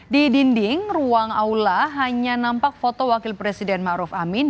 di dinding ruang aula hanya nampak foto wakil presiden ⁇ maruf ⁇ amin